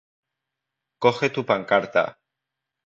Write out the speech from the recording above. Coge tu pancarta